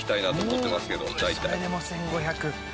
それでも１５００。